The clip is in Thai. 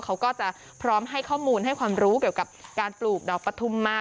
เขาก็จะพร้อมให้ข้อมูลให้ความรู้เกี่ยวกับการปลูกดอกประทุมมา